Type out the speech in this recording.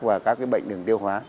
và các cái bệnh đường tiêu hóa